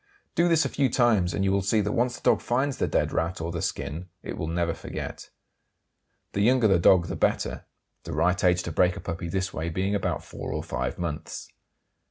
Do this a few times, and you will see that once the dog finds the dead Rat or the skin it will never forget. The younger the dog the better, the right age to break a puppy this way being about four or five months.